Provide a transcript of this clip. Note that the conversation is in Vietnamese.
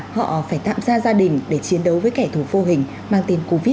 họ phải tạm gia gia đình để chiến đấu với kẻ thù phô hình mang tên covid một mươi chín